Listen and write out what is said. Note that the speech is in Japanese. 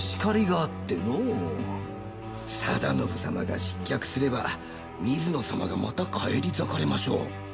定信様が失脚すれば水野様がまた返り咲かれましょう。